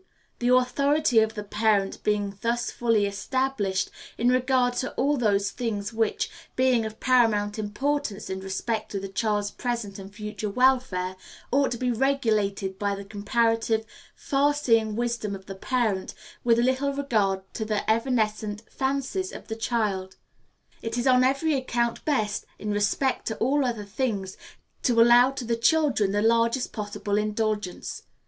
The authority of the parent being thus fully established in regard to all those things which, being of paramount importance in respect to the child's present and future welfare, ought to be regulated by the comparative far seeing wisdom of the parent, with little regard to the evanescent fancies of the child, it is on every account best, in respect to all other things, to allow to the children the largest possible indulgence.